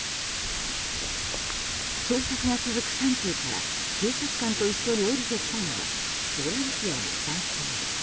捜索が続く山中から警察官と一緒に下りてきたのはボランティアの男性です。